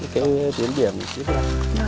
cái tiến điểm này tiếp theo